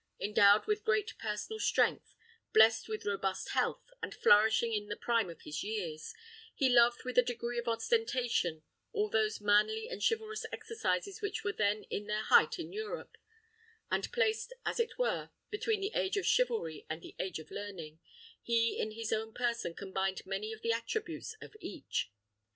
Endowed with great personal strength, blessed with robust health, and flourishing in the prime of his years, he loved with a degree of ostentation all those manly and chivalrous exercises which were then at their height in Europe; and placed, as it were, between the age of chivalry and the age of learning, he in his own person combined many of the attributes of each.